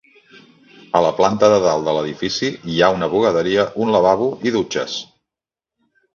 A la planta de dalt de l'edifici hi ha una bugaderia, un lavabo i dutxes.